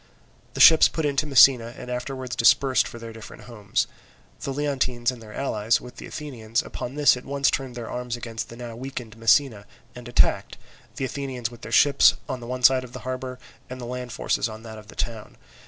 The ships put in to Messina, and afterwards dispersed for their different homes. The Leontines and their allies, with the Athenians, upon this at once turned their arms against the now weakened Messina, and attacked, the Athenians with their ships on the side of the harbour, and the land forces on that of the town.